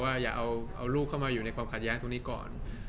อย่าเอาลูกเข้ามาอยู่ในความขัดแย้งตรงนี้ก่อน